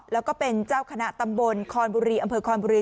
แล้วก็เป็นเจ้าคณะตำบลคอนบุรีอำเภอคอนบุรี